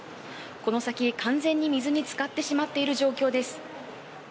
この先、完全に水につかってしまっている状況です。